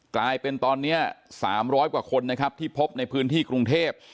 กลายเป็นตอนนี้๓๐๐กว่าคนนะครับที่พบในพื้นที่กรุงเทพ